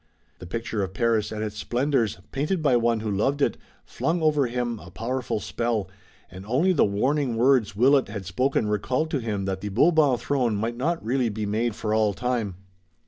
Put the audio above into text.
The picture of Paris and its splendors, painted by one who loved it, flung over him a powerful spell, and only the warning words Willet had spoken recalled to him that the Bourbon throne might not really be made for all time.